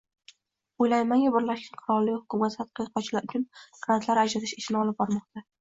Oʻylaymanki, Birlashgan Qirollik hukumati tadqiqotchilar uchun grantlar ajratish ishini olib bormoqda.